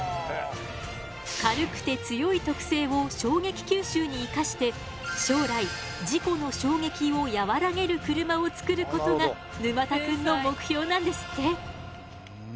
軽くて強い特性を衝撃吸収に生かして将来事故の衝撃をやわらげる車を作ることが沼田くんの目標なんですって。